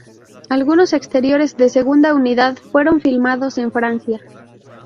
Algunos exteriores de segunda unidad fueron filmados en Francia.